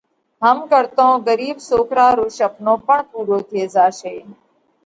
هم ڪرتون ڳرِيٻ سوڪرا رو شپنو پڻ پُورو ٿي زاشي۔